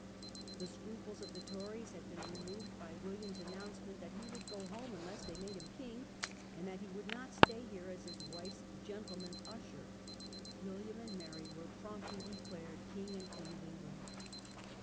The scruples of the Tories had been removed by William's announcement that he would go home unless they made him King, and that he would not stay here as his wife's "gentleman usher". William and Mary were promptly declared King and Queen of England.